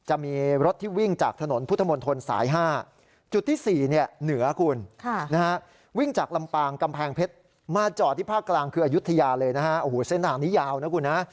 อายุทิยาเลยนะฮะโอ้โหเส้นทางนี้ยาวนะคุณฮะ